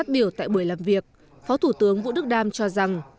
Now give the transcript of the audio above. tại buổi làm việc phó thủ tướng vũ đức đam cho rằng